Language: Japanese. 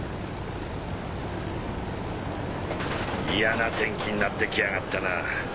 イヤな天気になって来やがったな。